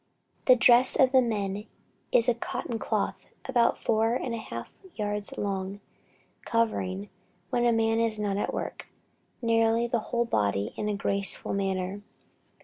The dress of the men is a cotton cloth about four and a half yards long, covering, when the man is not at work, nearly the whole body in a graceful manner.